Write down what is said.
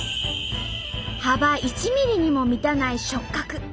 幅１ｍｍにも満たない触角。